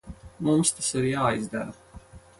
Mums tas ir jāizdara.